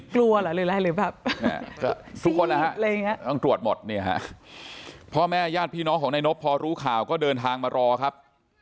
กลัวหรอหรือแบบทุกคนนะครับตรวจหมดพ่อแม่ย่านพี่น้องของนายนบพอรู้ข่าวก็เดินทางมารอครับ